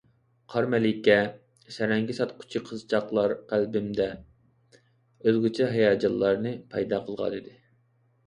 قار مەلىكە، سەرەڭگە ساتقۇچى قىزچاقلار قەلبىمدە ئۆزگىچە ھاياجانلارنى پەيدا قىلغانىدى.